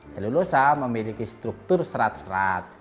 helulosa memiliki struktur serat serat